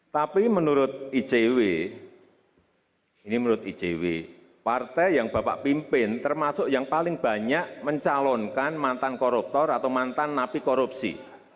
tapi menurut icw ini menurut icw partai yang bapak pimpin termasuk yang paling banyak mencalonkan mantan koruptor atau mantan napi korupsi